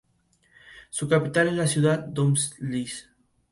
Esto, de todos modos, fue tras la conquista moscovita.